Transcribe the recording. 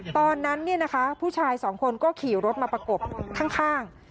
ตอนนั้นผู้ชายสองคนก็ขี่รถมาประกบข้าง